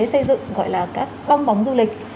xây dựng gọi là các bong bóng du lịch